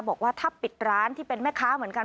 บอกว่าถ้าปิดร้านที่เป็นแม่ค้าเหมือนกัน